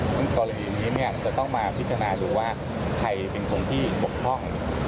ซึ่งกรณีนี้จะต้องมาพิจารณาดูว่าใครเป็นคนที่บกพร่อง